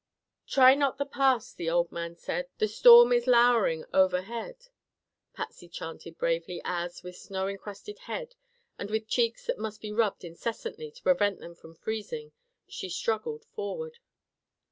"'Try not the pass, The old man said, The storm is lowering overhead,'" Patsy chanted bravely as, with snow encrusted head and with cheeks that must be rubbed incessantly to prevent them from freezing, she struggled forward.